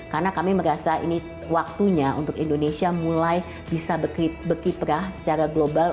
karena kami merasa ini waktunya untuk indonesia mulai bisa berkiprah secara global